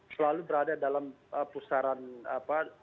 selalu berada dalam pusaran apa